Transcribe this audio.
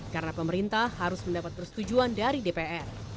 karena pemerintah harus mendapat persetujuan dari dpr